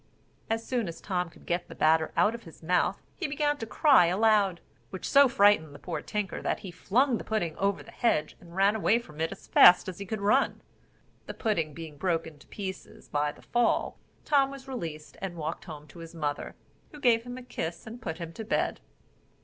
As soon as Tom could get the batter out of his mouth, he began to cry aloud; which so frightened the poor tinker, that he flung the pudding over the hedge, and ran away from it as fast as he could run. The pudding being broken to pieces by the fall, Tom was released, and walked home to his mother, who gave him a kiss and put him to bed.